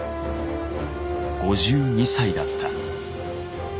５２歳だった。